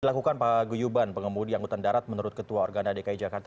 dilakukan panggoyuban pengemudi anggutan darat menurut ketua organa dki jakarta